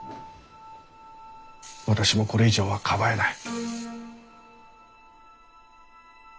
私もこれ以上はかばえない。